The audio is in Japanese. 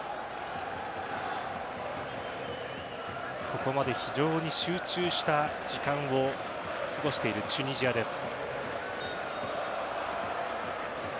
ここまで非常に集中した時間を過ごしているチュニジアです。